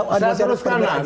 jadi saya teruskan lah